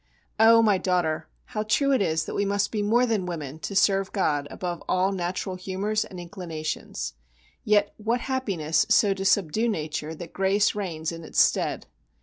Oh! my daughter, how true it is that we must be more than women to serve God above all natural humours and inclinations. Yet what happiness so to subdue nature that grace reigns in its stead!